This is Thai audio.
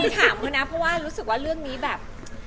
ไม่ค่างั้นนะเพราะรู้สึกว่าเรื่องนี้แบบ